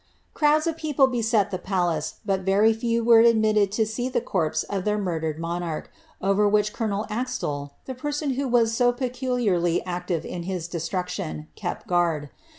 ''' Crowds of people beset the palace, but very few were admitted to see the corpse of their murdered monarch, over which colonel Axtel, the person who was so peculiarly active in his destruction, kept guard.